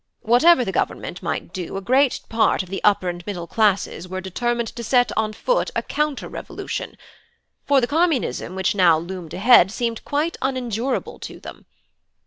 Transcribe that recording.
Whatever the Government might do, a great part of the upper and middle classes were determined to set on foot a counter revolution; for the Communism which now loomed ahead seemed quite unendurable to them.